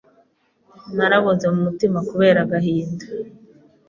naraboze mu mutima kubera agahinda